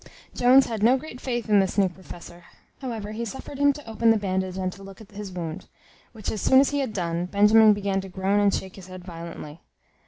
Jones had no great faith in this new professor; however, he suffered him to open the bandage and to look at his wound; which as soon as he had done, Benjamin began to groan and shake his head violently.